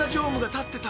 立ってた。